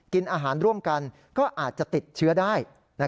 กินอาหารร่วมกันก็อาจจะติดเชื้อได้